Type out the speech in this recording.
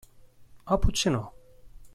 O potser no?